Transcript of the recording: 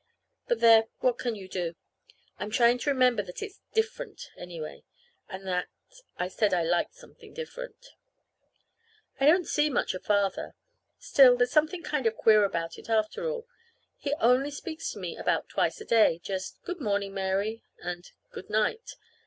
But there, what can you do? I'm trying to remember that it's different, anyway, and that I said I liked something different. I don't see much of Father. Still, there's something kind of queer about it, after all. He only speaks to me about twice a day just "Good morning, Mary," and "Good night."